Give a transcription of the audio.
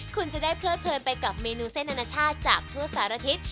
คุณจะได้เพลิดเพลินไปกับเมนูเส้นอนาชาติจากทั่วสารทิศ